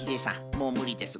もうむりです。